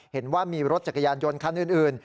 เห็นว่ามีรถจักรยานยนต์คันอื่น